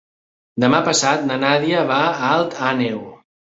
Demà passat na Nàdia va a Alt Àneu.